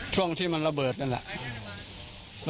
ช่วงที่มันระเบิดนั่นแหละ